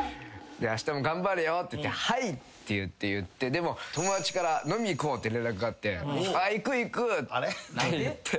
「あしたも頑張れよ」って言ってはいって言ってでも友達から「飲み行こう」って連絡があって行く行く！って。